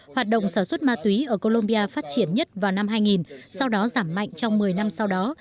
hoạt động sản xuất ma túy ở colombia phát triển nhất vào năm hai nghìn sau đó giảm mạnh trong một mươi năm sau đó